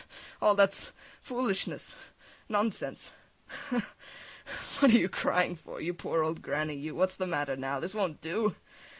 All that is foolishness, nonsense! [laughs gaily] What are you crying for? You poor old granny, you, what's the matter now? This won't do!